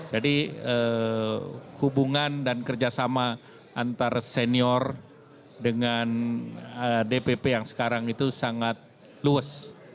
jadi hubungan dan kerjasama antar senior dengan dpp yang sekarang itu sangat luwes